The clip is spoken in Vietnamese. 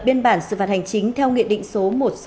biên bản sự phạt hành chính theo nghị định số một trăm sáu mươi bảy